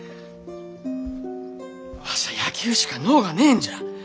わしゃあ野球しか能がねえんじゃ。